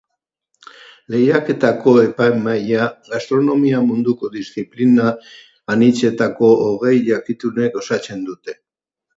Lehiaketako epaimahia gastronomia munduko diziplina anitzetako hogei jakitunek osatzen dute.